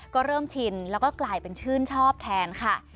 ก็เริ่มชินแล้วก็กลายเป็นชื่นชอบแทนค่ะ